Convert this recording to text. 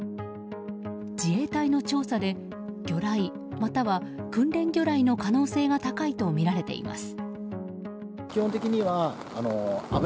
自衛隊の調査で魚雷または訓練魚雷の可能性が高いとみられています。